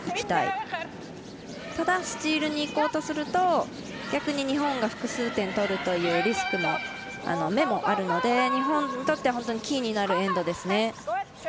ただ、スチールにいこうとすると逆に日本が複数点取るというリスクの目もあるので日本にとっては本当にキーになるエンドですね。